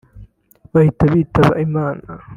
bahita bitaba Imana